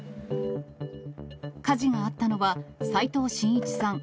火事があったのは、齋藤真一さん